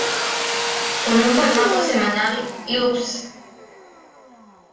Con un formato semanal, "Loops!